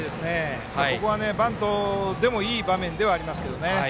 ここはバントでもいい場面ではありますがね。